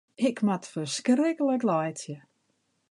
Ik moat ferskriklik laitsje.